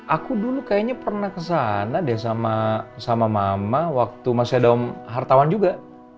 aku dulu kayaknya pernah kesana deh sama mama waktu masih ada om hartawan juga